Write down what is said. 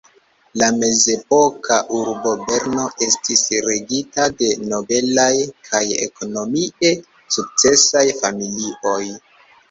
La mezepoka urbo Berno estis regita de nobelaj kaj ekonomie sukcesaj familioj.